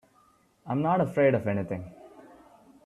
I'm not afraid of anything.